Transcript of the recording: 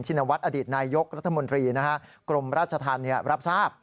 นวัฒนอดีตนายยกรัฐมนตรีกรมราชธรรมรับทราบ